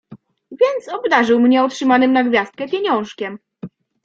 Więc obdarzył mnie otrzymanym na gwiazdkę pieniążkiem.